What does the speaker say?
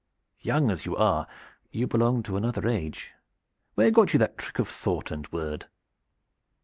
Young as you are, you belong to another age. Where got you that trick of thought and word?"